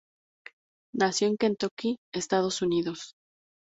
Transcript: Nació en Kentucky, Estados Unidos.